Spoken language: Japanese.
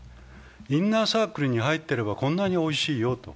インナーサークルに入っていれば、こんなにおいしいよと。